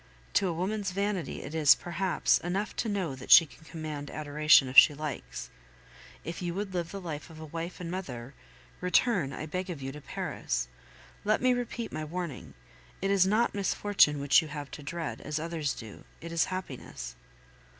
To a woman's vanity it is, perhaps, enough to know that she can command adoration if she likes. If you would live the life of a wife and mother, return, I beg of you, to Paris. Let me repeat my warning: It is not misfortune which you have to dread, as others do it is happiness.